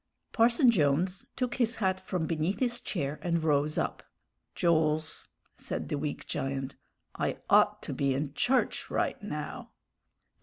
Parson Jones took his hat from beneath his chair and rose up. "Jools," said the weak giant, "I ought to be in church right now."